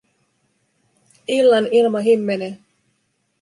Illan ilma himmenee.